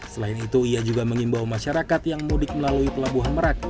selain itu ia juga mengimbau masyarakat yang mudik melalui pelabuhan merak